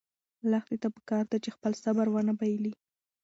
لښتې ته پکار ده چې خپل صبر ونه بایلي.